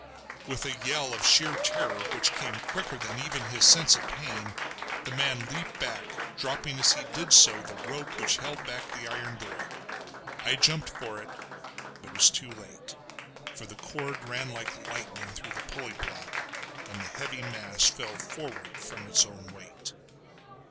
With a yell of sheer terror which came quicker than even his sense of pain, the man leaped back, dropping as he did so the rope which held back the iron door. I jumped for it, but was too late, for the cord ran like lightning through the pulley block, and the heavy mass fell forward from its own weight.